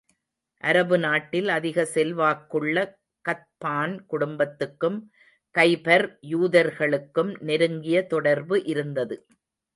அரபு நாட்டில் அதிக செல்வாக்குள்ள கத்பான் குடும்பத்துக்கும், கைபர் யூதர்களுக்கும் நெருங்கிய தொடர்பு இருந்தது.